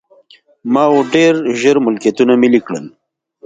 ماوو ډېر ژر ملکیتونه ملي کړل.